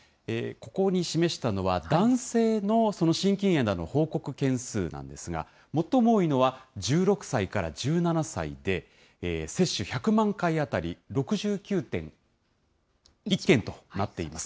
ここに示したのは、男性の心筋炎の報告件数なんですが、最も多いのは１６歳から１７歳で、接種１００万回当たり６９．１件となっています。